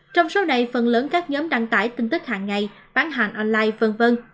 trong số này phần lớn các nhóm đăng tải tin tức hàng ngày bán hàng online v v